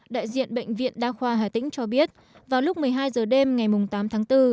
đại diện bệnh viện đa khoa hà tĩnh cho biết vào lúc một mươi hai h đêm ngày tám tháng bốn